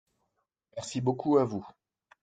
Merci beaucoup à vous !